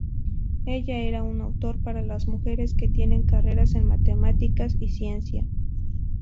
Ella era un autor para las mujeres que tienen carreras en matemáticas y ciencia.